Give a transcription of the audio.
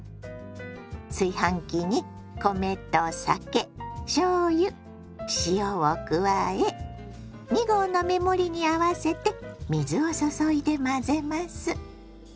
炊飯器に米と酒しょうゆ塩を加え２合の目盛りに合わせて水を注いで混ぜます。